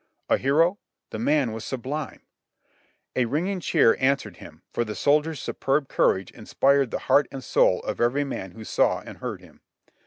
A hero ? The man was sublime ! A ringing cheer answered him, for the soldier's superb courage inspired the heart and soul of every man who saw and heard him.